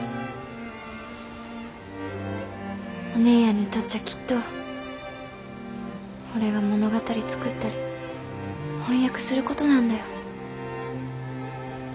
お姉やんにとっちゃきっとほれが物語作ったり翻訳する事なんだよ。